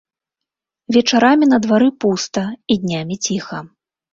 Вечарамі на двары пуста і днямі ціха.